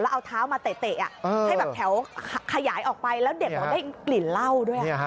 แล้วเอาเท้ามาเตะอ่ะให้แถวขยายออกไปแล้วเด็กต้องได้กลิ่นเหล้าด้วย